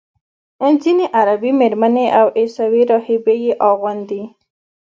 ځینې عربي میرمنې او عیسوي راهبې یې اغوندي.